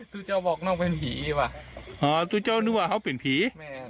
ตู้เจ้าบอกนั่งเป็นผีอีกว่ะอ๋อตู้เจ้านึกว่าเขาเป็นผี